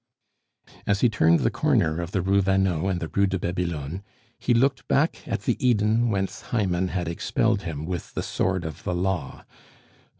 As he turned the corner of the Rue Vanneau and the Rue de Babylone, he looked back at the Eden whence Hymen had expelled him with the sword of the law.